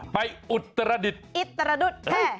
ไปอุตรดิษฐ์อิตรดิษฐ์แค่